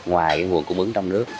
ngoài nguồn củ bướng trong nước